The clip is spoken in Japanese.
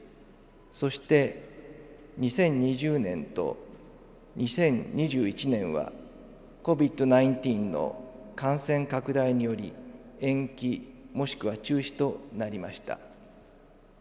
そして２０２０年と２０２１年はＣＯＶＩＤ‐１９の感染拡大により延期もしくは中止となりました。